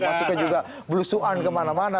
maksudnya juga belusuan kemana mana